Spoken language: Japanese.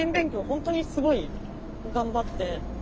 本当にすごい頑張って。